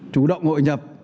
chủ động hội nhập